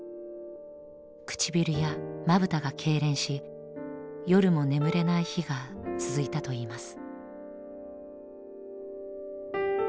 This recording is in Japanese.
唇やまぶたが痙攣し夜も眠れない日が続いたといいます。